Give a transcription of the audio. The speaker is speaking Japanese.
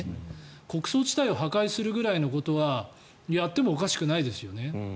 穀倉地帯を破壊することぐらいはやってもおかしくないですよね。